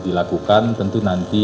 dilakukan tentu nanti